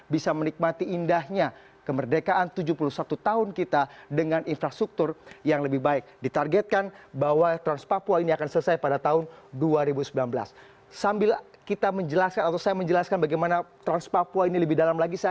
berikut laporannya untuk anda